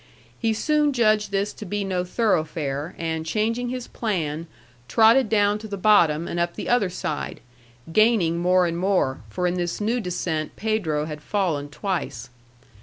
He soon judged this to be no thoroughfare, and changing his plan, trotted down to the bottom and up the other side, gaining more and more; for in this new descent Pedro had fallen twice.